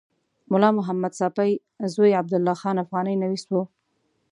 ملا محمد ساپي زوی عبدالله خان افغاني نویس و.